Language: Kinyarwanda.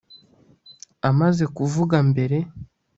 Amaze kuvuga mbere